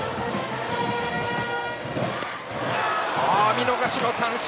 見逃し三振！